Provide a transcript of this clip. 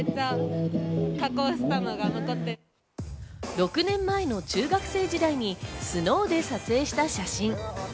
６年前の中学生時代にＳＮＯＷで撮影した写真。